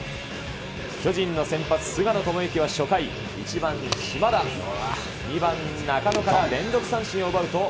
巨人の先発、菅野智之は初回、１番島田、２番中野から連続三振を奪うと。